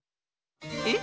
えっ！